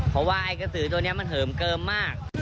เพราะว่าไอ้กระสือตัวนี้มันเหิมเกิมมาก